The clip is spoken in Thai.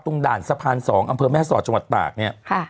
ด่านสะพาน๒อำเภอแม่สอดจังหวัดตากเนี่ย